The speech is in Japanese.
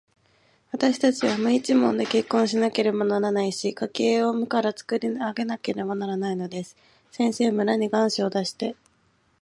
わたしたちは無一文で結婚しなければならないし、家計を無からつくり上げなければならないのです。先生、村に願書を出して、